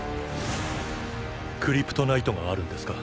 クリプトナイトがあるんですか？